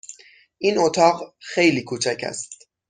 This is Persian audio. این اتاق خیلی کوچک است.